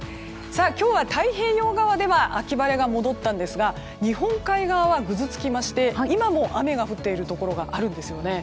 今日は太平洋側では秋晴れが戻ったんですが日本海側はぐずつきまして今も雨が降っているところがあるんですよね。